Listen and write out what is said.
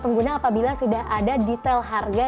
pengguna apabila sudah ada detail harga